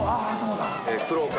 黒川。